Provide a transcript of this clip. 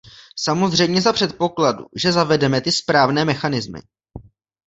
Samozřejmě za předpokladu, že zavedeme ty správné mechanismy.